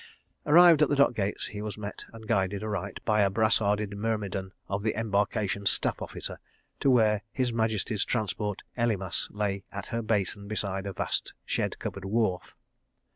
... Arrived at the dock gates, he was met and guided aright, by a brassarded myrmidon of the Embarkation Staff Officer, to where His Majesty's Transport Elymas lay in her basin beside a vast shed covered wharf.